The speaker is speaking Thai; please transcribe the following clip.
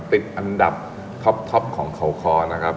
ติดอันดับท็อปของเขาคอนะครับ